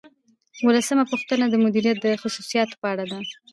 اوولسمه پوښتنه د مدیریت د خصوصیاتو په اړه ده.